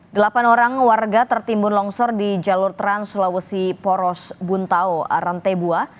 delapan orang warga tertimbun longsor di jalur trans sulawesi poros buntao rantebua